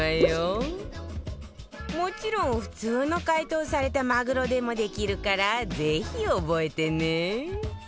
もちろん普通の解凍されたマグロでもできるからぜひ覚えてね